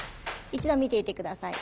一度見ていて下さい。